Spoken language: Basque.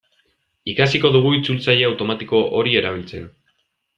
Ikasiko dugu itzultzaile automatiko hori erabiltzen.